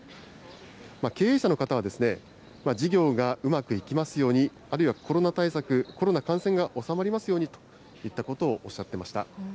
経営者の方は、事業がうまくいきますように、あるいはコロナ対策、コロナ感染が収まりますようにといったことをおっしゃってました。